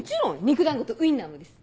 肉団子とウインナーもです。